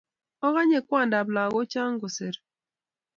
okonye kwandab lakochai koseru